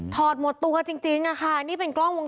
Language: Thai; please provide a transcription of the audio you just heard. ถอดหมดตัวจริงค่ะนี่เป็นกล้องวงบสอง